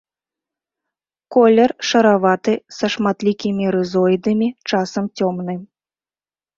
Колер шараваты са шматлікімі рызоідамі, часам цёмны.